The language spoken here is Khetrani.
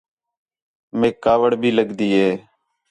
میک کاوِڑ بھی لڳدی ہے